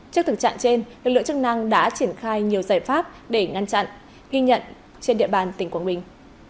trước thực trạng trên lực lượng chức năng đã triển khai nhiều giải pháp để ngăn chặn ghi nhận trên địa bàn tỉnh quảng bình